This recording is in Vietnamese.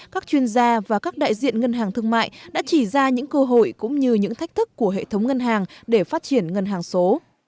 các chuyên gia và các đại diện ngân hàng thương mại đã chỉ ra những cơ hội cũng như những thách thức của hệ thống ngân hàng để phát triển ngân hàng số